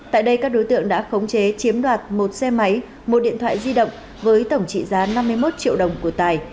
tại đây các đối tượng đã khống chế chiếm đoạt một xe máy một điện thoại di động với tổng trị giá năm mươi một triệu đồng của tài